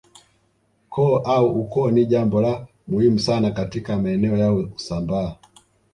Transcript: Koo au ukoo ni jambo la muhimu sana katika maeneo ya Usambaa